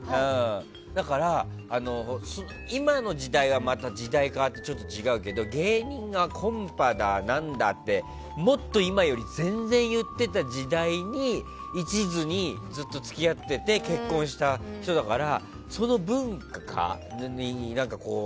だから、今の時代は違うけど芸人がコンパだ何だってもっと今より全然言っていた時代に一途にずっと付き合っていて結婚した人だからその文化が。